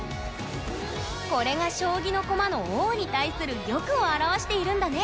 これが将棋の駒の王に対する玉を表しているんだね！